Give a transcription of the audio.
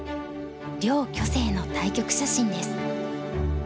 両巨星の対局写真です。